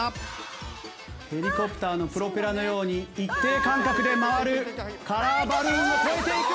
ヘリコプターのプロペラのように一定間隔で回るカラーバルーンも越えていく！